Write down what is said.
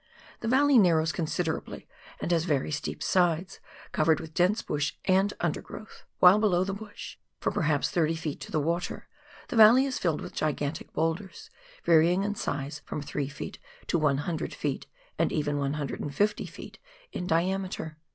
The valley narrows considerably and has very steep sides, covered with dense bush and undergrowth ; while below the bush, for perhaps thirty feet to the water, the valley is filled with gigantic boulders, varying in size from 3 ft. to 100 ft., and even 150 ft. in diameter.